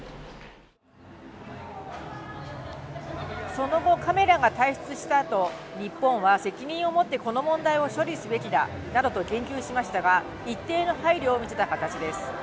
その後、カメラが退出したあと、日本は責任を持ってこの問題を処理すべきだなどと言及しましたが一定の配慮を見せた形です。